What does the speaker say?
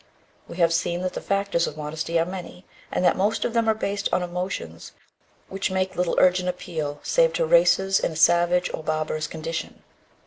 We have seen that the factors of modesty are many, and that most of them are based on emotions which make little urgent appeal save to races in a savage or barbarous condition.